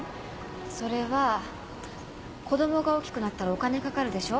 それは子供が大きくなったらお金かかるでしょ。